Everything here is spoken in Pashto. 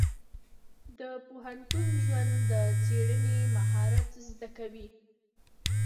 د پوهنتون ژوند د څېړنې مهارت زده کوي.